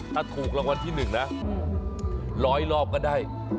ถ้ารางวัลที่๑หลอยรอบก็ได้